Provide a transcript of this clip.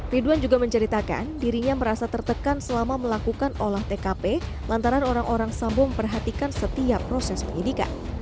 ridwan juga menceritakan dirinya merasa tertekan selama melakukan olah tkp lantaran orang orang sambo memperhatikan setiap proses penyidikan